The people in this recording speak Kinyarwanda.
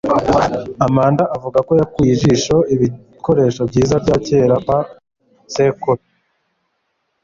Amanda avuga ko yakuye ijisho ibikoresho byiza bya kera kwa sekuru